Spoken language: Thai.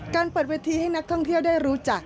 เปิดเวทีให้นักท่องเที่ยวได้รู้จัก